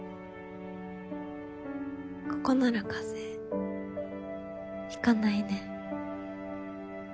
ここなら風邪ひかないね。